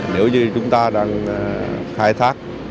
nếu như chúng ta đang khai thác sự